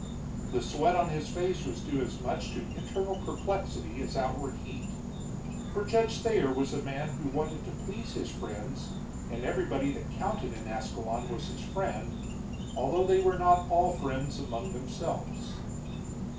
The sweat on his face was due as much to internal perplexity as outward heat, for Judge Thayer was a man who wanted to please his friends, and everybody that counted in Ascalon was his friend, although they were not all friends among themselves.